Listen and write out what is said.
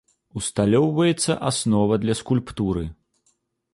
Усталёўваецца аснова для скульптуры.